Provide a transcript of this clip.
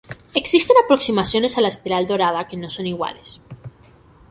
Existen aproximaciones a la espiral dorada, que no son iguales.